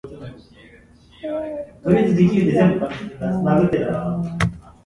The governor instituted the runoff primary for the first time.